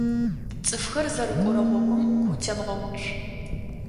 ЦӀыфхэр зэрыкӀорэ гъогум ку темгъэуцу.